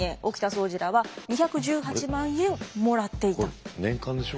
これ年間でしょ？